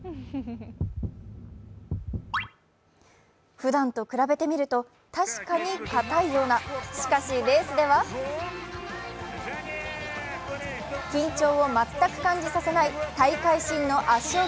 ふだんと比べてみると、確かにかたいようなしかし、レースでは緊張を全く感じさせない大会新の圧勝劇。